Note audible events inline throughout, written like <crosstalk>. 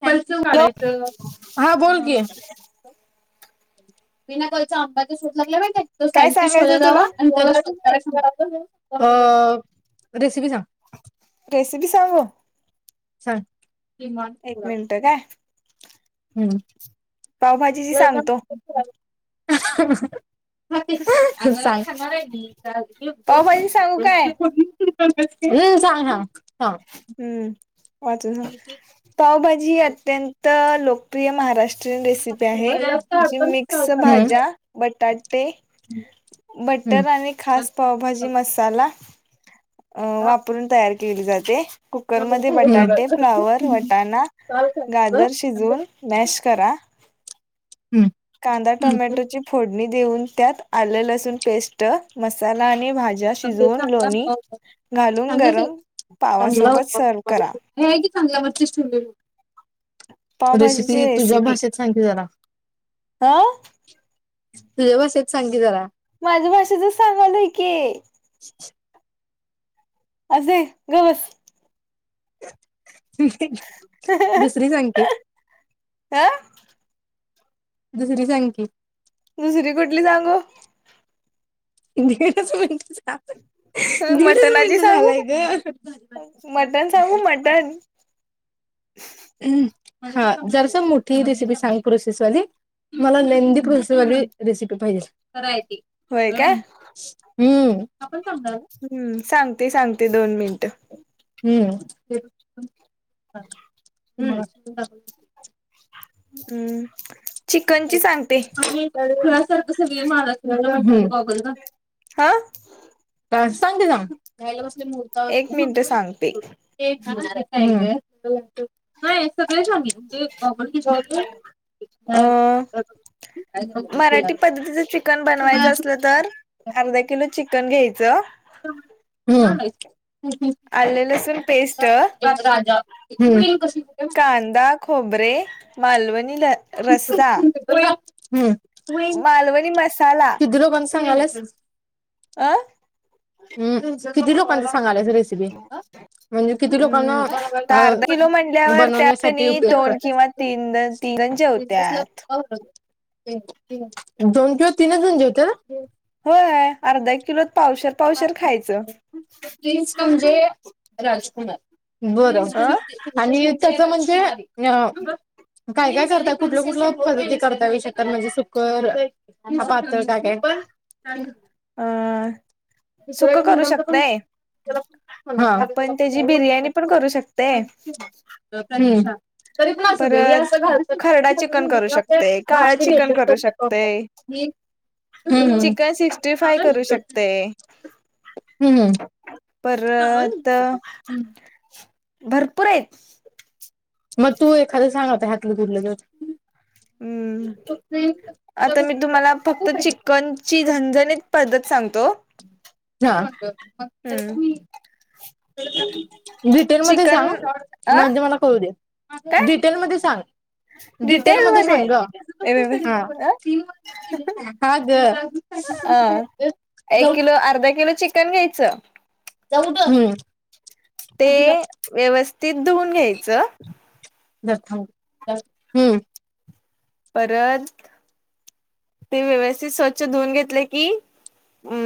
<unintelligible> Hello वाढायचं. हा बोल की, विना कलच्या आंब्याचा शोध लागलाय माहितय? तो काय सायंटिस्ट होला सांगायचं तुला जावा आणि <unintelligible> अ रेसिपी सांग. रेसिपी सांगू? सांग. किमान एक मिनट काय. हम् पावभाजीची सांगतो <unintelligible> <unintelligible> अग खाणार आहे मी पावभाजी सांगू काय <unintelligible> हम् सां हा हम्म वाचून सांग, पावभाजी ही अत्यंत लोकप्रिय महाराष्ट्र ष्ट्रीयन रेसिपी आहे, म्हणजे जास्त जी अडचणच नाही मिक्स करायला. भाज्या, बटाटे हम्म. बटर आणि बस खास काय पावभाजी करतात? मस साला अ वापरून तयार केली जाते. कुकरमध्ये बटाटे, फ्लावर, वटाणा चाल खायचं. गाजर शिजवून मॅश करा. हम्म. कांदा हम्म. टोमॅटो ची फोडणी देऊन त्यात आलं लसूण पेस्ट मसाला आणि भा ज्या अगदी शिजवून, चांगला लोणी आंबा होता घालून, चांगलीच आहे गरम पावासोबत सर्व करा. नाही आहे की चांगला वरतीच ठिवलोय बघ. रेसिपी तुझ्या भाषेत सांगकी जरा. ह तुझ्या भाषेत सांकी जरा. माझ्या भाषेतच सांगालोय की. शीच शीच. अजय ग बस. दुसरी सांग की. आं दुसरी सांग की. दुसरी कुठली सांगु? दीडच मिनिटाच दीडच मटणाची मिनट सांगू झालाय ग. का? मटण सांगू मटण हम्म हा जरस मोठी रेसिपी सांग प्रोसेसवाली. मला लेन्दी प्रोसेवाली रेसिपी पाहिजे. खरंय ती. होय काय <unintelligible> हम्म आपण <unintelligible> हम्म सांगते सांगते दोन मिनिटं. हम्म हम्म <unintelligible> हम्म चिकनची सांगते. <unintelligible> हम्म. हा? का सांगते सांग एक मिनिट सांगते <unintelligible> <unintelligible> नाही सगळे <unintelligible> <unintelligible> अ मराठी पद्धतीचं चिकन बनवायचं असलं तर अर्धा किलो चिकन घ्यायचं. हम्म. <unintelligible> आले लसूण पेस्ट हम्म. कांदा, खोबरे मालवणी ल रस्सा. <unintelligible> हम्म मालवणी मसाला किती लोकांचं सांगायल्यास? आं? हम्म किती लोकांचं सांगाल्यास रेसिपी? म्हणजे किती हम्म लोकांना तर अर्धा किलो अ म्हणल्यावर त्यात बनवण्यासाठी कणी उपयोगी दोन पडते? किंवा तीन तीन जण जेवत्यात <unintelligible> दोन किंवा तीनचं जण जेवते ना? होय अर्धा किलोत पावशर पावशर खायचं <unintelligible> म्हणजे राजकुमार बरं अ <unintelligible> आणि त्याचं म्हणजे अ काय काय करताय? कुठल्या कुठल्या पद्धती करता, येऊ शकतात म्हणजे सुक्क? का पात्तळ काय काय? अं दुसऱ्या सुक्क करू किंगडमचा पण शकतंय. त्याला आपण त्याची बिर्याणी पण करू शकतंय. हम्म. तरी पण असू दे हे असं घालतेत खरडा चिकन करू शकतय <unintelligible> काळं चिकन करू शकतय हम्मम हम्म चिकन सिक्स्टी फाय करू शकते हम्म. परत भरपूर आहेत. मग तू एखादं सांग आता ह्यातलं कुठलं तर? हम्म. <unintelligible> आता मी तुम्हाला फक्त चिकनची झणझणीत पद्धत सांगतो. हा. हम्म. <inaudible> डिटेलमध्ये चिकन सांग अ म्हणजे मला कळू दे. काय डिटेलमध्ये सांग. डिटेल डिटेलमध्ये मध्ये सांग ग, हा. व्यवस्थित हा ग. एक जाऊ किलो, अर्धा किलो चिकन घ्यायचं. <unintelligible> हम्म. ते व्यवस्थित धुऊन घ्यायचं. प्रथम हू. परत ते व्यवेस्थित स्वच्छ धुऊन घेतले की हू.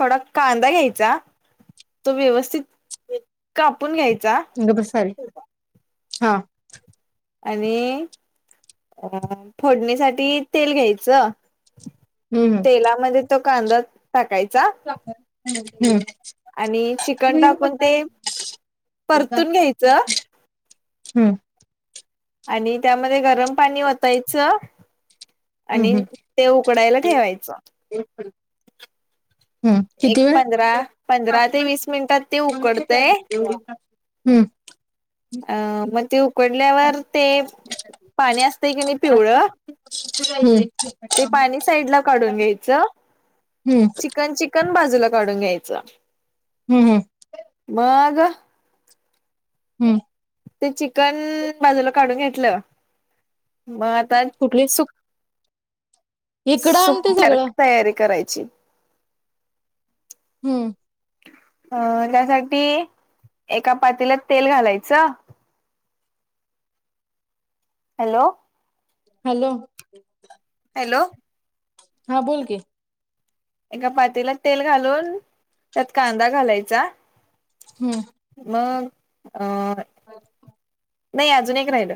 थोडा कांदा घ्यायचा तो व्यवस्थित कापून घ्यायचा. बरोबर साडी हा. आणि हा फोडणीसाठी तेल घ्यायच. हू हू. तेलामध्ये तो कांदा टाकायचा हम्म आणि चिकन हम्म टाकून ते परतून घ्यायचं. हू. आणि त्यामध्ये गरम पाणी वतायचं. आणि हम्म ते उकडायला ठेवायचं. <inaudible> हू एक किती वेळ पंधरा पंधरा ते वीस मिनिटात ते उकडतय <unintelligible> अ मग ते उकडल्यावर ते पाणी असतंय क नी पिवळ <unintelligible> ते पाणी साईड ला काढून घ्यायचं. हम्म चिकन चिकन बाजूला काढून घ्यायचं. हुं. हू. मग हू. ते चिकन बाजूला काढून घेतलं, म आता कुठली? इकडं आण सुप ते सगळं सारख तयारी करायची. हुं. अ त्यासाठी एका पातील्यात तेल घालायचं. हॅलो. हॅलो. हॅलो. हा बोल कि. एका पातेल्यात तेल घालून, त्यात कांदा घालायचा. हुं. मग अ मग क नाही अजून एक राहिलं,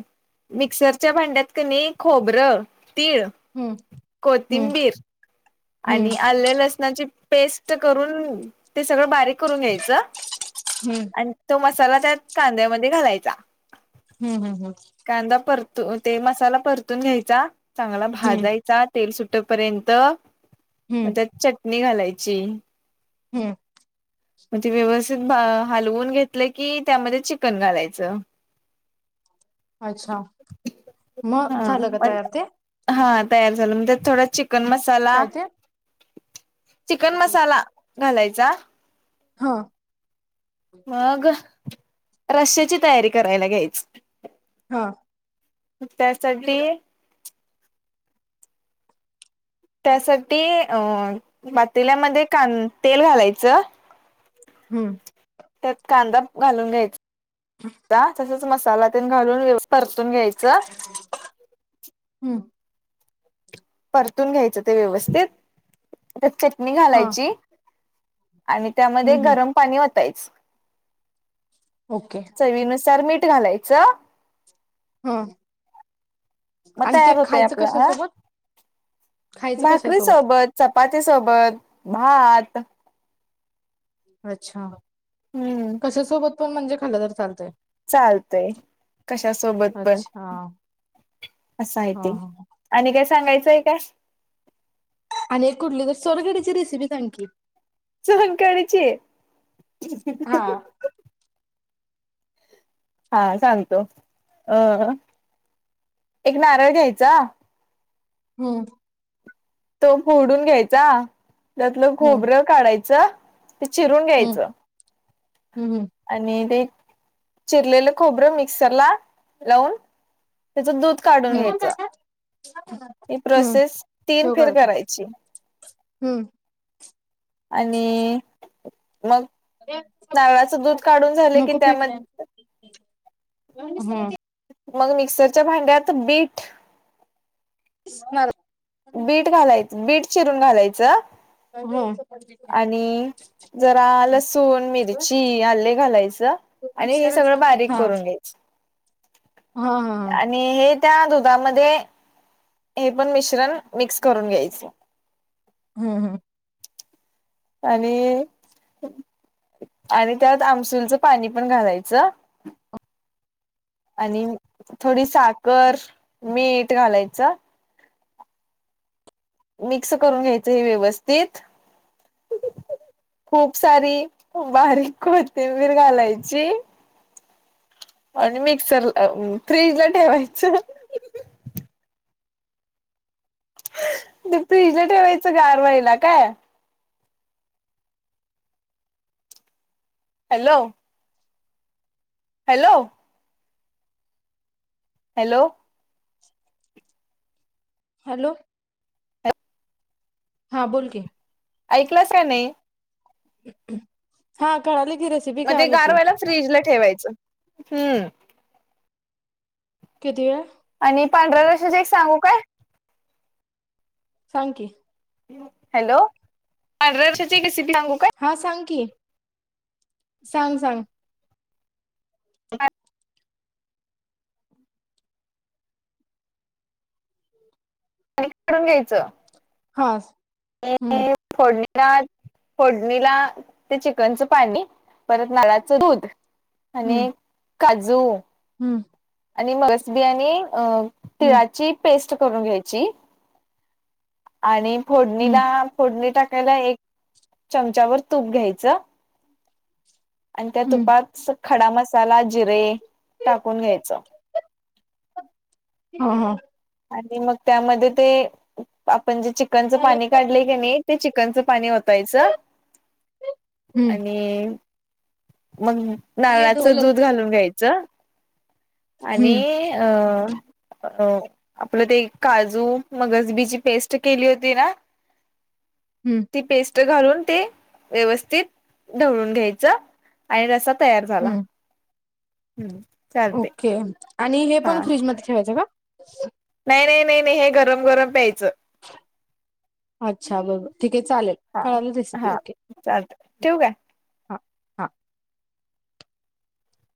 मिक्सरच्या भांड्यात कणी खोबरं, तीळ हम्म हम्म कोथिंबीर हम्म आणि आले लसणाची पेस्ट करून, ते सगळं बारीक करून घ्यायचं. हू. आणि तो मसाला त्या कांद्यामध्ये घालायचा. हू हू हू. कांदा परतू ते मसाला परतून घ्यायचा, चांगला हम्म भाजाय चा तेल सुट पर्यंत हम्म म्हणजे त्यात चटणी घालायची. हेत. म ते व्यवस्थित भा हलवून घेतलं की, त्यामध्ये चिकन घालायचं. अच्छा, म हा. झालं का तयार ते? हा तयार झालं मग त्यात थोडा चिकन मसाला काय ते चिकन मसाला घालायचा. हा मग रश्याची तयारी करायला घायच. हा त्यासाठी त्यासाठी अ पातील्यामध्ये कां तेल घालायचं हम्म त्यात कांदा घालून घ्यायचा तसच मसाला तेण घालून व्यवस्थित परतून घ्यायच हम्म परतून घ्यायचं ते व्यवस्थित त्यात चटणी हा घालायची आणि त्यामध्ये हम्म हम्म गरम पाणी ओतायच ओके चवीनुसार मीठ घालायचं हम मग आणि ते तयार होतय खायचं कशा आपला सोबत भाकरी सोबत चपाती सोबत भात अच्छा हम्म कशा सोबत पणं म्हणजे खाल्लं तर चालतंय चालतय कशा सोबत पण अच्छा असं आहे हा ते हा आणि काय सांगायचंय काय आणि एक कुठली तर सोलकढीची रेसिपी सांग की सोलकढी ची हा हा सांगतो अ एक नारळ घ्यायचा हम्म तो फोडून घ्यायचा त्यातलं हम्म खोबरं काढायचं ते चिरून हम्म घ्यायचं हम्म आणि ते चिरलेलं खोबरं मिक्सर ला लावून त्याच दूध काढून हम्म घ्यायच ही हम्म प्रोसेस तीन फेर करायची हम आणि मग नारळाच दूध काढून झालं की त्यामध्ये हम मग मिक्सरच्या भांड्यात बीट <inaudible> बीट घालायच बीट चिरून घालायचं हम आणि जरा लसूण, मिरची, आल्ले घालायचं आणि हे मिक्सर सगळं असतात बारीक हा करून घ्यायच हा- हा आणि हे त्या दुधामध्ये हे पण मिश्रण मिक्स करून घ्यायच हम -हम आणि आणि त्यात आमसूलचं पाणी पण घालायचं आणि थोडी साखर, मीठ घालायचं मिक्स करून घ्यायचं हे व्यवस्थित खूप सारी बारीक कोथिंबीर घालायची आणि मिक्सरला,, अ फ्रीज ला ठेवायचं. ते तू हिज ठेवायचं गारवायला काय हॅलो! हॅलो! हॅलो! हॅलो! हां बोल की ऐकलं का नाही हा कळाली मजे गारवायला फ्रीज ला ठेवायचं,, हम्म. किती वेळ? आणि पांढर्या रशीच एक सांगू काय? सांग की. हॅलो, पांढर्या रर्षाची रेसिपी सांगू काय? हा सांग की,, सांग सांग. बर <unintelligible> <unintelligible> काढून घ्यायच हा. ते हम्म फोडणीनाथ फोडणीला ते चिकनचं पाणी,, परत नारळाचं दूध आणि हम्म काजू हम्म. आणि मगसबी आणि, अ हम्म तिळाची पेस्ट करून घ्यायची,, आणि फोड हम्म ला फोडणी टाकायला एक चमचावर तूप घ्यायचं आणि त्या हम्म तुपात खडा मसाला जिरे टाकून घ्यायच. ह ह. आणि मग त्यामध्ये ते, आपण जे चिकनचं पाणी काढलय की नाही पाणी होतायच, हम्म आणि मग ये नारळाच ढोल दूध घालून घ्यायचं. आणि हम्म अ अ आपलं ते काजू, मगजबीची पेस्ट केली होती ना हम्म ती पेस्ट घालून ते व्यवस्थित ढवळून घ्यायचं आणिरसा तयार झाला. हम्म हम्म. चालते ओके,, आणि हे हा पण फ्रीजमध्ये ठेवायचं का? नाही नाही नाही नाही हे गरम गरम प्यायचं. अच्छा बरबर ठीक आहे चालेल. हा कळालं हा चालतय, ठेवूकाय? हां हां.